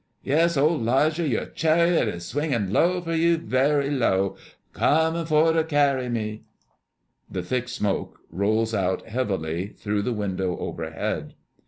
'" Yes, old 'Lijah, your chariot is swinging low for you, very low. "Comin' fer to carry me" The thick smoke rolls out heavily through the window overhead.